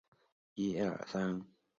明升与李成桂来往甚密。